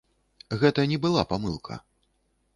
Гэта не была памылка.